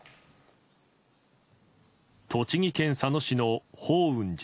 栃木県佐野市の法雲寺。